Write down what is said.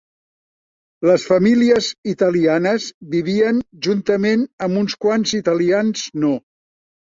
Les famílies italianes vivien juntament amb uns quants italians no.